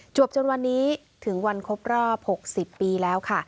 จนวันนี้ถึงวันครบรอบ๖๐ปีแล้วค่ะ